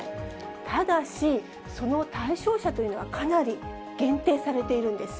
ただし、その対象者というのはかなり限定されているんです。